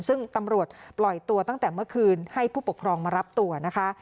ซึ่งตำรวจปล่อยตัวตั้งแต่เมื่อคืนให้ผู้ปกครองมารับตัวนะคะ